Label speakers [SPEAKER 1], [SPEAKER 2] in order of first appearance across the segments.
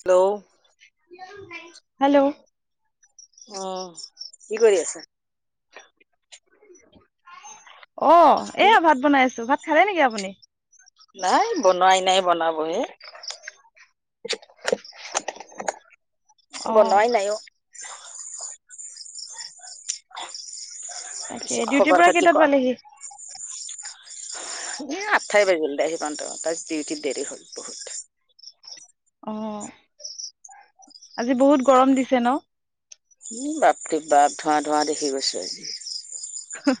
[SPEAKER 1] Hello.
[SPEAKER 2] Hello.
[SPEAKER 1] অহ কি কৰি আছা?
[SPEAKER 2] অ
[SPEAKER 1] কি
[SPEAKER 2] এয়া ভাত বনাই আছো। ভাত খালে নেকি আপুনি?
[SPEAKER 1] নাই বনোৱাই নাই বনাবহে।
[SPEAKER 2] [inaudible] অ'
[SPEAKER 1] বনোৱাই নাই অহ।
[SPEAKER 2] তাকে
[SPEAKER 1] পিছে
[SPEAKER 2] ডিউটিৰ পৰা
[SPEAKER 1] খবৰ-খাতি
[SPEAKER 2] কেইটাত
[SPEAKER 1] ক?
[SPEAKER 2] পালেহি?
[SPEAKER 1] এ, আতঠাই বাজিল দে আহি পাওতে- পাওতে ডিউটিত দেৰি হ'ল বহুত।
[SPEAKER 2] অহ, আজি বহুত গৰম দিছে ন'?
[SPEAKER 1] উম, বাপৰে - বাপৰে বাপ ধোঁৱা -ধোঁৱা দেখি গৈছো আজি।
[SPEAKER 2] হু-হ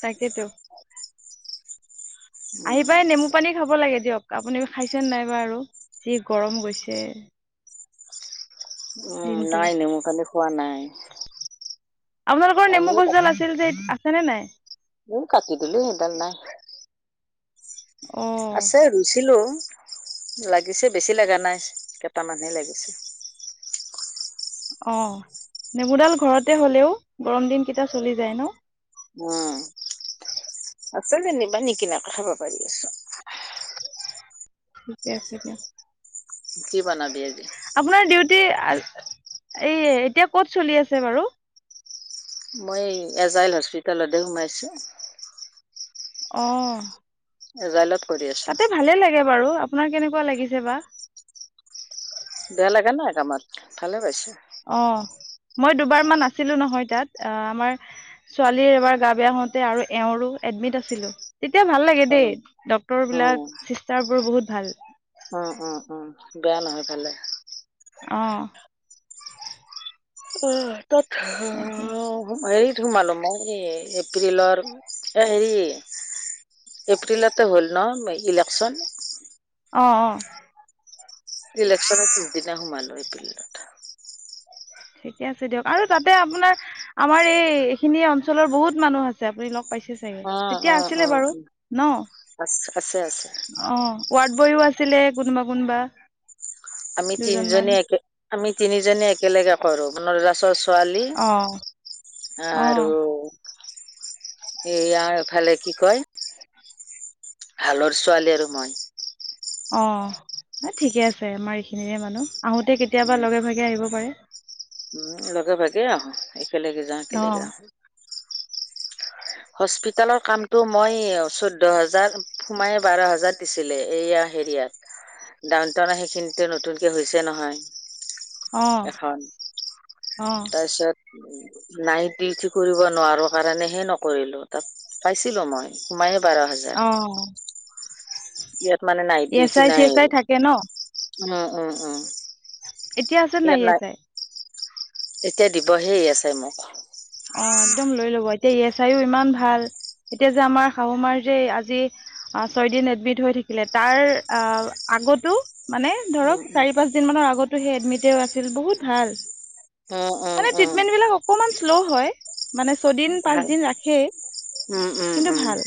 [SPEAKER 2] তাকেতো। আহি
[SPEAKER 1] উম
[SPEAKER 2] পাই নেমু পানী খাব লাগে। দিয়ক আপুনি খাইছেনে নাই বা আৰু যি গৰম গৈছে।
[SPEAKER 1] উম,
[SPEAKER 2] দিনটো।
[SPEAKER 1] নাই নেমু পানী খোৱা নাই।
[SPEAKER 2] আপোনালোকৰ
[SPEAKER 1] আহি
[SPEAKER 2] নেমু গছডাল আছিল যে আছে নে নাই?
[SPEAKER 1] ইও কাতিদিলো সেইডাল নাই।
[SPEAKER 2] অ'
[SPEAKER 1] আছে ৰুইছিলো লাগিছে বেছি লাগা নাই কেইটামানহে লাগিছে।
[SPEAKER 2] অহ, নেমুডাল ঘৰতে হ'লেও গৰম দিনকেইটা চলি যায় ন',?
[SPEAKER 1] উম আছে যেনিবা নিকিনাকে খাব পাৰি আছো।
[SPEAKER 2] ঠিকে আছে দিয়া
[SPEAKER 1] কি বনাবি আজি
[SPEAKER 2] [inaudible] আপোনাৰ ডিউটি এ এতিয়া ক'ত চলি আছে বাৰু?
[SPEAKER 1] মই এজাইল হস্পিতেলতে সোমাইছোঁ।
[SPEAKER 2] অহ
[SPEAKER 1] এজাইলট
[SPEAKER 2] তাতে ভালে লাগে বাৰু আপোনাৰ কেনেকুৱা লাগিছে বা?
[SPEAKER 1] বেয়া লগা নাই কামত ভালে পাইছোঁ।
[SPEAKER 2] অহ মই দুবাৰমান আছিলো নহয় তাত আমাৰ ছোৱালীৰ এবাৰ গা বেয়া হওঁতে আৰু এওঁৰো এড এডমিট আছিলো তেতিয়া ভাল লাগে
[SPEAKER 1] উম
[SPEAKER 2] দেই ডক্তৰ
[SPEAKER 1] উম
[SPEAKER 2] বিলাক চিষ্টাৰবোৰ বহুত ভাল।
[SPEAKER 1] উম -উম -উম বেয়া নহয় ভালে।
[SPEAKER 2] অহ
[SPEAKER 1] অহ, তাত হেৰি সোমালো মও হেই এপ্ৰিলৰ এ হেৰি এপ্ৰিলতে হ'ল ন' ইলেকচন?
[SPEAKER 2] অহ - অহ
[SPEAKER 1] ইলেকচনৰ পিছদিনা সোমালো এপ্ৰিলত।
[SPEAKER 2] ঠিকে আছে দিয়ক আৰু তাতে আপোনাৰ আমাৰ এই- এইখিনি অঞ্চলৰ বহুত মানুহ আছে আপুনি লগ পাইছে চাগে।
[SPEAKER 1] উম
[SPEAKER 2] তেতিয়া
[SPEAKER 1] উম
[SPEAKER 2] আছিলে
[SPEAKER 1] উম
[SPEAKER 2] বাৰু
[SPEAKER 1] উম
[SPEAKER 2] ন'?
[SPEAKER 1] আছে আছে আছে
[SPEAKER 2] অহ, ৱাৰ্ড বয়ো আছিলে কোনবা -কোনবা
[SPEAKER 1] আমি তিনিজনী একে আমি তিনিজনী একেলগে কৰো [unintelligible] ছোৱালী
[SPEAKER 2] অ অ
[SPEAKER 1] আৰু এয়াৰফালে কি কয়? ভালৰ ছোৱালী আৰু মই।
[SPEAKER 2] অহ, ন 'ঠিকে আছে আমাৰ এইখিনিৰে মানুহ আহোতে কেতিয়াবা লগে -ভাগে আহিব পাৰে।
[SPEAKER 1] উম, লগে ভাগেই আহো একেলগে যাওঁ
[SPEAKER 2] অ
[SPEAKER 1] একেলগে আহো। হস্পিতেলৰ কামটো মই চৈধ্য হাজাৰ সোমাই বাৰ হাজাৰ দিছিলে এয়া হেৰিয়াত ডাউন টাউনৰ সেইখিনিতে নতুনকে হৈছে
[SPEAKER 2] অ
[SPEAKER 1] নহয় এখান
[SPEAKER 2] অ
[SPEAKER 1] তাৰপছত উ নাইট দুয়োটি কৰিব নোৱাৰো কাৰণে হে নকৰিলো তাত পাইছিলো মই সোমাই এ বাৰ হাজাৰ
[SPEAKER 2] অ
[SPEAKER 1] ইয়াত মানে নাইট
[SPEAKER 2] ই এছ
[SPEAKER 1] দুয়োটি
[SPEAKER 2] আই চি
[SPEAKER 1] নাই
[SPEAKER 2] এছ আই
[SPEAKER 1] আৰু
[SPEAKER 2] থাকে ন
[SPEAKER 1] উম, -উম -উম
[SPEAKER 2] এতিয়া আছে নে নাই ইয়াতে?
[SPEAKER 1] এতিয়া দিবহে ই এছ আই মোক।
[SPEAKER 2] অ একদম লৈ ল'বা এতিয়া ই এছ আইও ইমান ভাল। এতিয়া যে আমাৰ শাহুমাৰ যে আজি আহ ছয়দিন এডমিট হৈ থাকিলে তাৰ আহ আ আগতো মানে
[SPEAKER 1] উম
[SPEAKER 2] ধৰক
[SPEAKER 1] উম
[SPEAKER 2] চাৰি- পাঁচ দিনমানৰ আগতো সেই এডমিটে আছিল বহুত ভাল।
[SPEAKER 1] উম উম
[SPEAKER 2] মানে
[SPEAKER 1] উম
[SPEAKER 2] ট্ৰিটমেন্ট বিলাক অকমান শ্ল' হয়, মানে ছয় দিন, পাঁচ
[SPEAKER 1] ভাল
[SPEAKER 2] দিন ৰাখেই
[SPEAKER 1] উম উম
[SPEAKER 2] কিন্তু
[SPEAKER 1] উম
[SPEAKER 2] ভাল।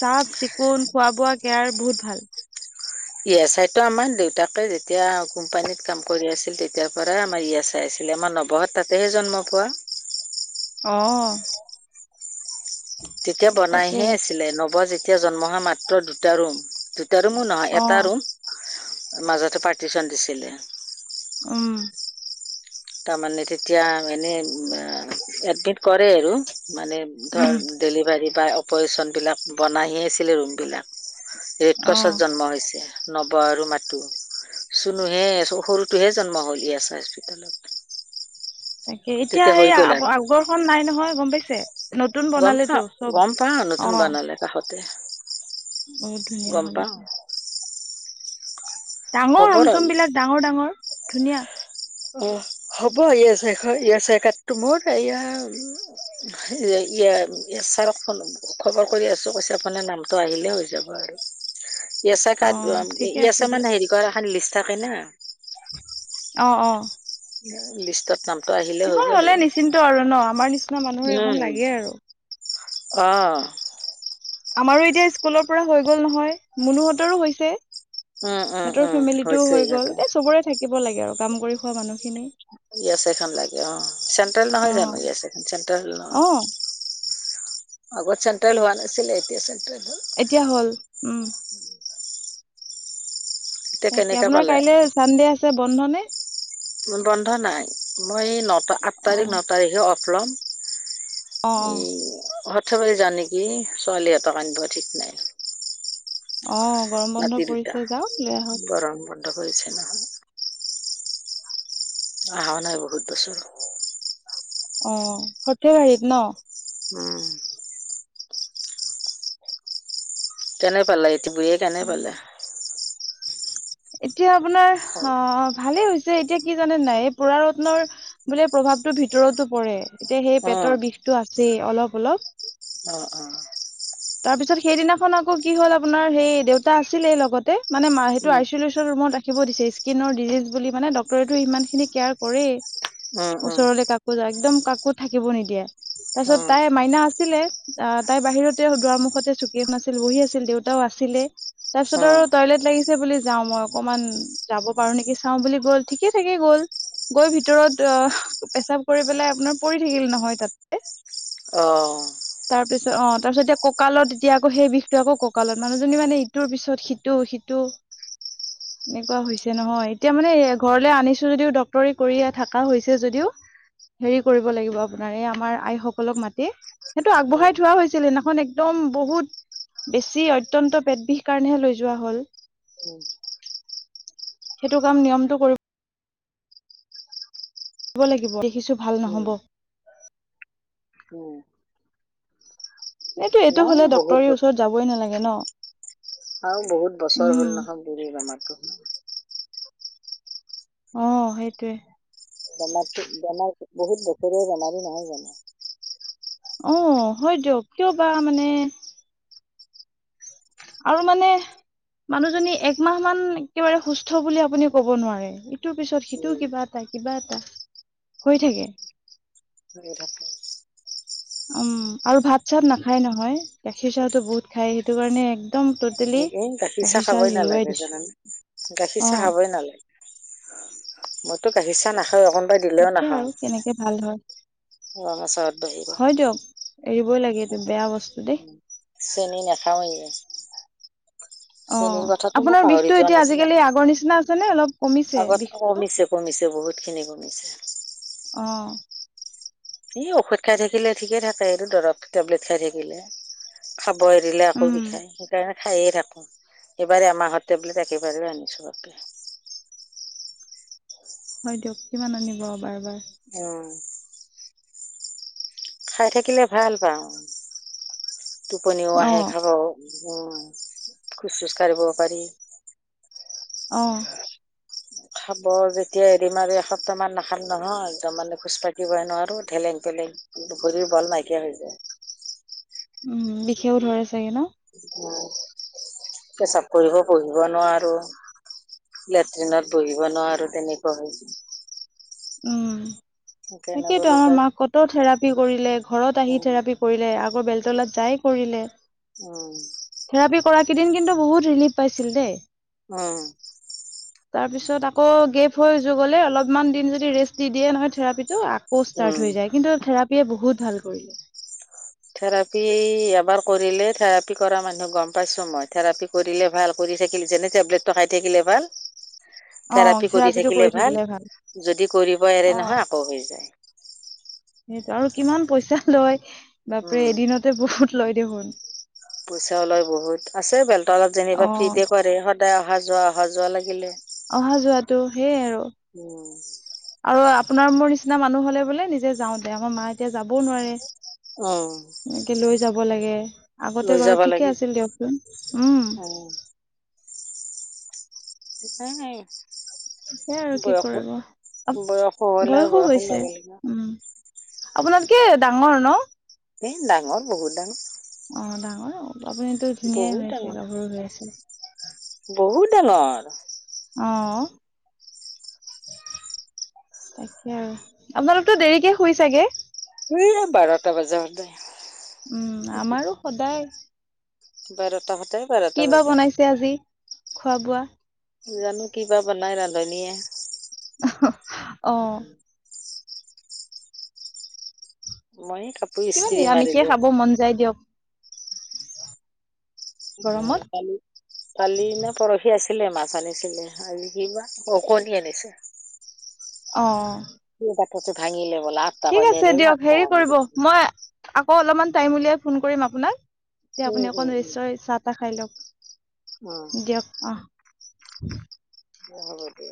[SPEAKER 2] চাফ- চিকুণ, খোৱা -বোৱা কেয়াৰ বহুত ভাল।
[SPEAKER 1] ই এছ আই টো আমাৰ দেউতাকে যেতিয়া কোম্পানীত কাম কৰি আছিল তেতিয়াৰ পৰাই আমাৰ ই এছ আই আছিল। আমাৰ নৱহাত তাতেহে জন্ম পোৱা।
[SPEAKER 2] অহ।
[SPEAKER 1] তেতিয়া বনাইহে আছিলে নৱজ যেতিয়া জন্ম হোৱা মাত্ৰ দুটা ৰুম। দু তিয়াটো মোৰ নহয়,
[SPEAKER 2] অ
[SPEAKER 1] এটা ৰুম মাজতে পাৰ্টিচন দিছিলে।
[SPEAKER 2] উম।
[SPEAKER 1] তাৰমানে তেতিয়া এনেই এ এডমিট কৰে আৰু। মানে
[SPEAKER 2] উম
[SPEAKER 1] ধৰ ডেলিভাৰী বা অপাৰেচনবিলাক বনাই হে আছিলে ৰুমবিলাক। ৰেড
[SPEAKER 2] অ
[SPEAKER 1] ক্ৰছত জন্ম হৈছে। নৱ আৰু মাতো, চুনুহে সৰুটোহে জন্ম হলি আছে হস্পিতালত।
[SPEAKER 2] তাকে এতিয়া
[SPEAKER 1] হৈ
[SPEAKER 2] সেই আ
[SPEAKER 1] গ'ল
[SPEAKER 2] আৱ
[SPEAKER 1] আৰু
[SPEAKER 2] আগৰখন নাই নহয় গম পাইছে? নতুন
[SPEAKER 1] গম পা
[SPEAKER 2] বনালেতো চব
[SPEAKER 1] গম পাওঁ
[SPEAKER 2] অ
[SPEAKER 1] নতুন বনালে তাহঁতে।
[SPEAKER 2] বহুত ধুনীয়া হ'ল এতিয়া। ডাঙৰ
[SPEAKER 1] হ'ব ৰ
[SPEAKER 2] ৰুম-চুমবিলাক ডাঙৰ-ডাঙৰ ধুনীয়া।
[SPEAKER 1] অ হ'ব ইয়ে শেখ ইয়া চেকাতটো মোৰ ইয়া হে ইয়া ছাৰক ফোন খবৰ কৰি আছো কৈছে আপোনাৰ নামটো আহিলে হৈ যাব আৰু।
[SPEAKER 2] [unintelligible]
[SPEAKER 1] ই এছ আই
[SPEAKER 2] অ
[SPEAKER 1] কাৰ্ড এম
[SPEAKER 2] ঠিকে
[SPEAKER 1] ই এছ
[SPEAKER 2] আছে
[SPEAKER 1] আই মান
[SPEAKER 2] দিয়ক
[SPEAKER 1] হেৰি কৰা এখন লিষ্ট থাকে না।
[SPEAKER 2] অ অ।
[SPEAKER 1] লিষ্টত নাম
[SPEAKER 2] সেইখন হ'লে নিশ্চিন্ত আৰু ন আমাৰ নিচিনা মানুহৰ সেইখন লাগে আৰু।
[SPEAKER 1] আহ।
[SPEAKER 2] আমাৰো এতিয়া স্কুলৰ পৰা হৈ গল নহয় মুনুহঁতৰো হৈছে।
[SPEAKER 1] উম উম
[SPEAKER 2] সিহঁতৰ
[SPEAKER 1] উম
[SPEAKER 2] ফেমিলিটো
[SPEAKER 1] হৈছে
[SPEAKER 2] হৈ গ'ল
[SPEAKER 1] ইহঁতৰ
[SPEAKER 2] এ চবৰে থাকিব লাগে আৰু কাম কৰি খোৱা মানুহখিনি।
[SPEAKER 1] গেছ এখন লাগে অ চেন্ট্ৰেল
[SPEAKER 2] অ
[SPEAKER 1] নহয় জানো গেছ এখন চেন্ট্ৰেল
[SPEAKER 2] অ
[SPEAKER 1] নহয়।
[SPEAKER 2] [inaudible]
[SPEAKER 1] আগত চেণ্ট্ৰেল হোৱা নছিলে এতিয়া চেণ্ট্ৰেল। হ'ল
[SPEAKER 2] এতিয়া হ'ল উম।
[SPEAKER 1] এতিয়া
[SPEAKER 2] তাকে
[SPEAKER 1] কেনেকে
[SPEAKER 2] আপোনাৰ
[SPEAKER 1] পালে
[SPEAKER 2] কাইলৈ চানডে আছে বন্ধ নে?
[SPEAKER 1] বন্ধ নাই, মই এই নটা আঠ
[SPEAKER 2] অ
[SPEAKER 1] তাৰিখ, ন তাৰিখে অফ ল'ম।
[SPEAKER 2] অ অ
[SPEAKER 1] এই হঠবাৰ জান নেকি ছোৱালীহঁতক আনিব ঠিক নাই।
[SPEAKER 2] অ' গৰম বন্ধ
[SPEAKER 1] নাতি দুটা,
[SPEAKER 2] পৰিছে যাওক লৈ আহক
[SPEAKER 1] গৰম বন্ধ হৈছে নহয়। অহা নাই বহুত বছৰ।
[SPEAKER 2] অ সঠেবাৰীত ন।
[SPEAKER 1] উম। কেনে পালা ইতি বুঢ়ে কেনে পালে?
[SPEAKER 2] এতিয়া আপোনাৰ অঁ ভালে হৈছে এতিয়া কি জানে নাই পুৰা ৰত্নৰ বোলে প্ৰভাৱ ভাৱটো ভিতৰতো পৰে এ, তিয়া সেই পেটৰ
[SPEAKER 1] উম
[SPEAKER 2] বিষটো আছেই অলপ অলপ।
[SPEAKER 1] অ অ
[SPEAKER 2] [unintelligible] তাৰ পিছত সেইদিনাখন আকৌ কি হল আপোনাৰ সেই দেউতা আছিলেই লগতে মানে মা সেইটো
[SPEAKER 1] উম
[SPEAKER 2] আ টোলেচন ৰুমত ৰাখিব দিছে, স্কিনৰ ডিজিজ বুলি মানে ডক্টৰেটো ইমানখিনি কেয়াৰ কৰে।
[SPEAKER 1] উম উম
[SPEAKER 2] ওচৰলে কাকো যা একদম কাকো থাকিব নিদিয়ে। তাৰপিছত
[SPEAKER 1] উম
[SPEAKER 2] তাই মাইনা আছিলে, আহ তাই বাহিৰতে দুৱাৰ মুখতে চুকী শুনা আছিল বহী আছিল দেউতাও আছ [unintelligible] ছিল তাৰপিছত
[SPEAKER 1] উম
[SPEAKER 2] আৰু টয়লেট লাগিছে বুলি [unintelligible] যাওঁ মই অকূমান যাব পাৰো নেকি চাওঁ বুলি গ'ল ঠিকে থাকে গ'ল [unintelligible] গৈ ভিতৰত পেচাব কৰি পেলাই আপোনাৰ পৰি থাকিল নহয় তাতে [unintelligible]
[SPEAKER 1] অ [unintelligible]
[SPEAKER 2] তাৰপিছত অঁ তাৰপিছত এতিয়া ককালত এতিয়া আকৌ সেই বিষটো আকৌ ককালত মানুহজনী মানে ইটোৰ পিছত সিটো [unintelligible] সেইটো [unintelligible] এনেকুৱা হৈছে নহয় এতিয়া মানে ঘৰলৈ আনিছো যদিও ডক্টৰী কৰি থকা হৈছে যদিও [unintelligible] [unintelligible] হেৰি কৰিব লাগিব আপোনাৰ এই আমাৰ আইসকলক মাতি [unintelligible] [unintelligible] সেইটো আগবঢ়াই থোৱা হৈছিল সেইদিনাখন একদম বহুত [unintelligible] বেছি অত্যন্ত পেট বিষ কাৰণেহে লৈ যোৱা হল
[SPEAKER 1] উম
[SPEAKER 2] [unintelligible] সেইটো কাম নিয়মটো কৰিব। লাগিব দেখিছো ভাল
[SPEAKER 1] উম
[SPEAKER 2] নহব।
[SPEAKER 1] উম
[SPEAKER 2] এইটো এইটো
[SPEAKER 1] নাই
[SPEAKER 2] হ'লে
[SPEAKER 1] বহুত
[SPEAKER 2] ডক্তৰৰ
[SPEAKER 1] বছৰ
[SPEAKER 2] ওচৰত যাবই নালাগে ন।
[SPEAKER 1] আৰু বহুত বছৰ
[SPEAKER 2] উম
[SPEAKER 1] হ'ল নহয় বুৰু আমাৰো।
[SPEAKER 2] অ সেইটোৱে।
[SPEAKER 1] বেমাৰ বেমাৰ বহুত বখৰীয়া বেমাৰী নহয় জানো।
[SPEAKER 2] অ হয় দিয়ক কিয় বা মানে আৰু মানে। মানুহজনী একমাহ মান একেবাৰে সুস্থ বুলি আপুনি ক'ব নোৱাৰে ইটোৰ পিছত সিটোও
[SPEAKER 1] উম
[SPEAKER 2] কিবা এটা। কিবা এটা হৈ থাকে
[SPEAKER 1] হৈ থাকে
[SPEAKER 2] উম আৰু ভাত চাত নাখায় নহয় গাখীৰ চাহতো বহুত খায় সেইটো কাৰণে একদম। টটেলি
[SPEAKER 1] গাখীৰ চাহ খাবই নালাগে জানানে গাখীৰ
[SPEAKER 2] অ
[SPEAKER 1] চাহ খাবই নালাগে। মইতো কাঢ়িছা না। খ অকণমানাই দিলেও
[SPEAKER 2] তাকে
[SPEAKER 1] নাখাওঁ
[SPEAKER 2] আৰু কেনেকে ভাল হয়
[SPEAKER 1] ৰঙাচৰত বাহিৰে
[SPEAKER 2] এৰিই লাগে এইটো বেয়া বস্তু
[SPEAKER 1] উ
[SPEAKER 2] দেই
[SPEAKER 1] চেনি নেখায়েই
[SPEAKER 2] অ
[SPEAKER 1] শ্ৰেনীৰ কথাাতটো মোক
[SPEAKER 2] আপোনাৰ
[SPEAKER 1] পাহৰি
[SPEAKER 2] বিষটো
[SPEAKER 1] যোৱা
[SPEAKER 2] এতিয়া
[SPEAKER 1] নিচিনা
[SPEAKER 2] আজিকালি আগৰ নিচিনা আছে নে অলপ কমিছে বিষ
[SPEAKER 1] আগত কমিছে কমিছে বহুত বহুত খিনি বমিছে
[SPEAKER 2] আহ।
[SPEAKER 1] এ ঔষধ খাই থাকিলে ঠিকে থাকে এইটো দৰৱ টেবলেট খাই থাকিলে খ। বই দিললে আকৌ
[SPEAKER 2] উম
[SPEAKER 1] বিষায় সেইকাৰণে। খায়ে থাকোঁ এইবাৰেই আমাৰত টেবলেট একেবাৰেেই আনিছোঁ বাপে।
[SPEAKER 2] হয় দিয়ক কিমান আনিব বাৰু
[SPEAKER 1] উম। খাই থাকিলে ভাল পাওঁ টোপনিও
[SPEAKER 2] অ
[SPEAKER 1] আহে খাব। উ খোজ খোজ কাঢ়িব পাৰি।
[SPEAKER 2] আহ
[SPEAKER 1] খাব যেতিয়া হেৰি মাৰ এসপ্তাহমান নাখাম নহয় একদম মানে খোজকাাতিিবইে নোৱাৰোঁ ঠেলেং পেলেং। দুখৰিৰ বল নাইকিয়া হৈ যায়।
[SPEAKER 2] উম বিষেও ধৰে চাগে ন।
[SPEAKER 1] চাপ কৰিব পঢ়িব নোৱাৰো। লেট্ৰিনত বহিব নোৱাৰো তেনেকুৱা হৈ য।
[SPEAKER 2] উম। তাকেতো আমাৰ
[SPEAKER 1] যাই
[SPEAKER 2] মাকত থেৰাপি কৰিলে ঘৰত আহি থেৰাপি কৰিলে। আগৰ বেলতলাত যায় কৰিলে।
[SPEAKER 1] উম।
[SPEAKER 2] সেইদিন কিন্তু বহুত ৰিলিফ পাইছিল দেই।
[SPEAKER 1] হম।
[SPEAKER 2] তাৰপিছত আকৌ গেপ হৈ য গ'লে অলপমান দিন যদি ৰেষ্ট দি দিয়ে এনেকয় থেৰাপিটো। প'ষ্টাৰ্ট হৈ যায় কিন্তু থেৰাপিয় বহুত ভাল কৰিলে।
[SPEAKER 1] থেৰাপি এবাৰ কৰিলে থেৰাপি কৰা মানুহে গম পাইছো মই থেৰাপি কৰিলে ভাল কৰি থ যেনে টেবলেট খাই থাকিলে ভাল থেৰাপি কৰি থাকিলে ভাল। যদি কৰিব এৰে
[SPEAKER 2] অ',
[SPEAKER 1] নহয় আকৌ হৈ যায়।
[SPEAKER 2] সেইটো আৰু কিমান পইচা লয় বাপৰে এদিনতে বহুত লয় দেখোন।
[SPEAKER 1] পইচা ওলয় বহুত আছে বেলতলাত যেনিবা
[SPEAKER 2] অ',
[SPEAKER 1] ফ্ৰীতে কৰে সদায় অহা যোৱা অহা যোৱা লাগিলে।
[SPEAKER 2] অহা যোৱাটো সেইয় আৰু আৰু আপ আপোনাৰ মোৰ নিচিনা মানুহ হলে বোলে নিজে যাওঁ দে আমাৰ মা এতিয়া যাবও নোৱাৰে।
[SPEAKER 1] অঁ
[SPEAKER 2] এনেকে লৈ যাব লাগে।
[SPEAKER 1] লৈ
[SPEAKER 2] আগতে
[SPEAKER 1] যাব
[SPEAKER 2] বাৰু ঠিকে
[SPEAKER 1] লাগিব
[SPEAKER 2] আছিল দিয়কচোন উম।
[SPEAKER 1] অঁ উ।
[SPEAKER 2] তাকে আৰু কি কৰিব
[SPEAKER 1] বয়সো হ'ল আৰু
[SPEAKER 2] বয়সো
[SPEAKER 1] বয়সৰ
[SPEAKER 2] হৈছে
[SPEAKER 1] লগে লগে
[SPEAKER 2] উম আপোনাতকে ডাঙৰ ন
[SPEAKER 1] এ ডাঙৰ বহুত ডাঙৰ
[SPEAKER 2] অ ডাঙৰ আপুনিটো ধুনীয়াই
[SPEAKER 1] বহুত
[SPEAKER 2] হৈ আছে
[SPEAKER 1] ডাঙৰ
[SPEAKER 2] গাভৰু হৈ আছে।
[SPEAKER 1] বহুত ডাঙৰ
[SPEAKER 2] অ তাকে আপোনালোকতো দেৰিকে শুই চাগে
[SPEAKER 1] উ বাৰটা বাজেই সদায়
[SPEAKER 2] উম আমাৰো সদায়
[SPEAKER 1] বাৰত
[SPEAKER 2] কি বা বনাইছে আজি খোৱা বোৱা?
[SPEAKER 1] জানো কিবা বনাই ৰান্ধনীয়ে
[SPEAKER 2] অ
[SPEAKER 1] মই কাপোৰ
[SPEAKER 2] কিবা
[SPEAKER 1] ইস্ত্ৰি
[SPEAKER 2] নিৰামিষে
[SPEAKER 1] মাৰিলো
[SPEAKER 2] খাব মন যায় দিয়ক
[SPEAKER 1] অ
[SPEAKER 2] গৰমত
[SPEAKER 1] কালি কালি নে পৰহি আছে ছিলে মাছ আনিছিলে আৰু কিবা কণী আনিছে
[SPEAKER 2] অ
[SPEAKER 1] বাটতে ভাগিলেও
[SPEAKER 2] ঠিক আছে দিয়ক হেৰি কৰিব মই মই অলপমান টাইম উলিয়াই ফোন কৰিম আপোনা এতিয়া আপুনি অকন ৰেষ্ট লৈ চাহ তাহ খাই লওঁক। দিয়ক অ
[SPEAKER 1] দে হব দে